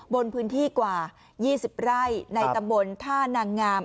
บนพื้นที่กว่า๒๐ไร่ในตำบลท่านางงาม